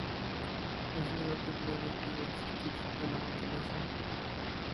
La ciudad de Breda llegó a existir cerca de la fortaleza.